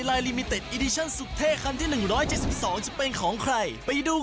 ทำให้ท่านได้ภารกิจ